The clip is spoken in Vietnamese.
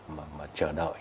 mà chờ đợi